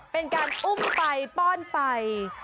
เป็นการอุ้มไปป้อนไป